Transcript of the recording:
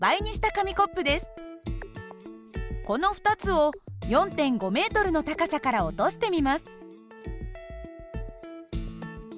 この２つを４．５ｍの高さから落としてみます。